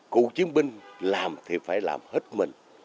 cụ chiến binh làm thì phải làm hết mình